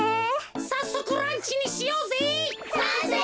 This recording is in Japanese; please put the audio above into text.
さっそくランチにしようぜ！